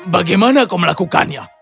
bagaimana kau melakukannya